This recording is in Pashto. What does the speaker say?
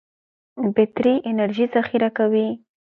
بټري انرژي ذخیره کوي.